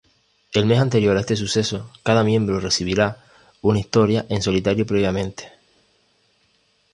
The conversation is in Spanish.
El mes anterior a este suceso, cada miembro recibirá una historia en solitario previamente.